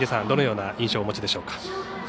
どのような印象をお持ちでしょうか。